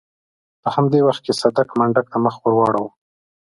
په همدې وخت کې صدک منډک ته مخ واړاوه.